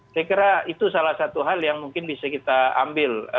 saya kira itu salah satu hal yang mungkin bisa kita ambil